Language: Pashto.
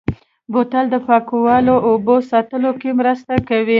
بوتل د پاکو اوبو ساتلو کې مرسته کوي.